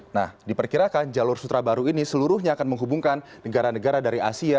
nah diperkirakan jalur sutra baru ini seluruhnya akan menghubungkan negara negara dari asia